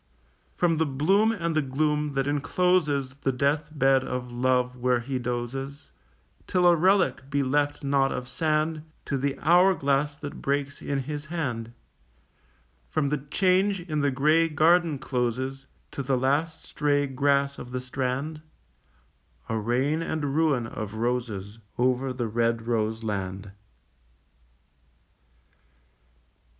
From the bloom and the gloom that encloses The death bed of Love where he dozes Till a relic be left not of sand To the hour glass that breaks in his hand; From the change in the grey garden closes To the last stray grass of the strand, A rain and ruin of roses Over the red rose land.